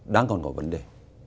đang còn có vấn đề